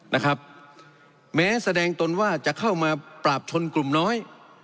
นะครับแม้แสดงตนว่าจะเข้ามาปราบชนกลุ่มน้อย